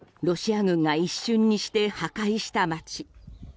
ロシア軍が一瞬にして破壊した街。